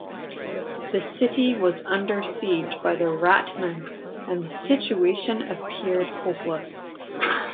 The city was under siege by the rat men and the situation appeared hopeless.